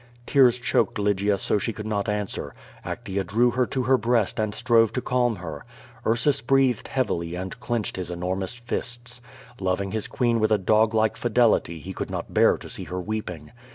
Tears choked Lygia so she could not answer. Actea drew her to her breast and strove to calm her. Ursus breathed heavily and clinched his enormous fists. Loving his queen with a doglike fidelity he could not bear to see her weeping.